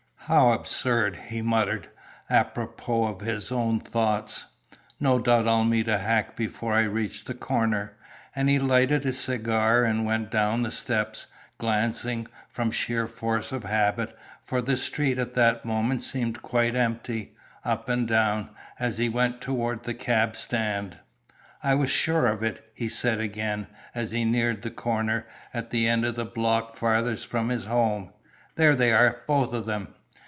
"How absurd!" he muttered, apropos of his own thoughts. "No doubt I'll meet a hack before I reach the corner," and he lighted a cigar and went down the steps, glancing, from sheer force of habit, for the street at that moment seemed quite empty, up and down, as he went toward the cab stand. "I was sure of it," he said again, as he neared the corner, at the end of the block farthest from his home. "There they are, both of them."